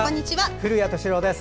古谷敏郎です。